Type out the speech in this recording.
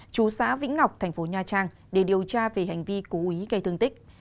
chú xã vĩnh ngọc tp nha trang để điều tra về hành vi cố ý gây thương tích